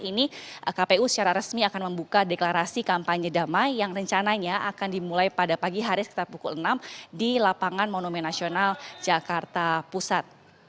ini kpu secara resmi akan membuka deklarasi kampanye damai yang rencananya akan dimulai pada pagi hari sekitar pukul enam di lapangan monumen nasional jakarta pusat